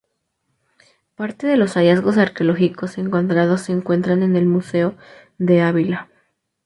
Parte de los hallazgos arqueológicos encontrados se encuentran en el Museo de Ávila.